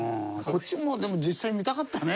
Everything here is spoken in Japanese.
こっちもでも実際に見たかったね